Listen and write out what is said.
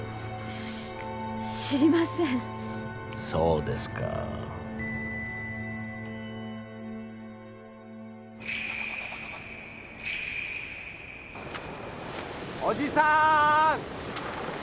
知りませんそうですか・おじさーん！